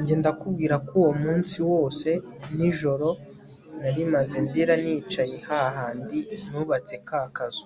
njye ndakubwira ko uwo munsi wose nijoro narimaze ndira nicaye hahandi nubatse kakazu